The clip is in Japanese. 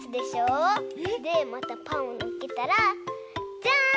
でまたパンをのっけたらじゃん！